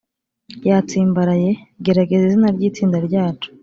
yatsimbaraye? gerageza izina ryitsinda ryacu